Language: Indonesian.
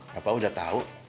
bapak udah tau